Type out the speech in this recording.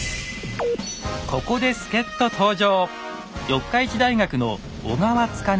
ここで助っ人登場。